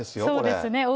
そうですね。